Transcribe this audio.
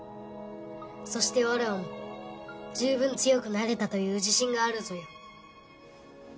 そしてわらわも十分強くなれたという自信があるぞよ。